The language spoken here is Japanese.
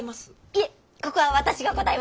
いえここは私が答えます。